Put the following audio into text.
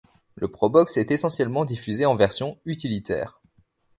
Le Probox est essentiellement diffusé en versions utilitaires.